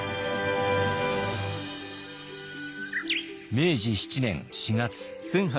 明治７年４月。